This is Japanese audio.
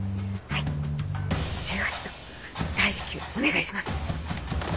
はい１８度大至急お願いします。